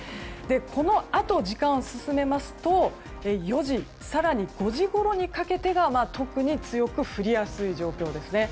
このあと、時間を進めますと４時、５時ごろにかけてが特に強く降りやすい状況ですね。